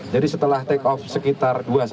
jadi setelah take off sekitar